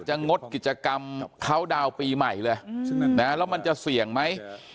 งดกิจกรรมเคาน์ดาวน์ปีใหม่เลยแล้วมันจะเสี่ยงไหม